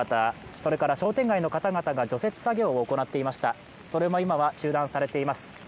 それも今は中断されています。